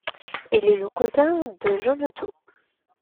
Il est le cousin de John Otto.